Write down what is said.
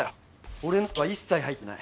俺の好きは一切入ってない。